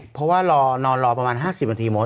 เพราะว่ารอนอนรอประมาณ๕๐นาทีหมด